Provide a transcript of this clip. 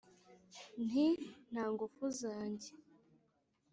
nti: nta ngufu zanjye